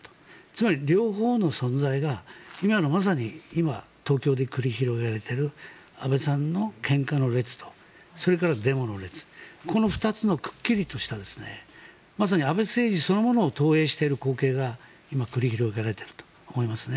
つまり両方の存在がまさに今、東京で繰り広げられている安倍さんの献花の列とそれからデモの列この２つのくっきりとしたまさに安倍政治そのものを投影している光景が今、繰り広げられていると思います。